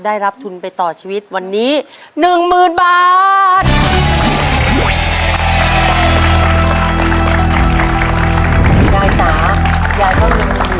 ยายบ้าจ้ะครับ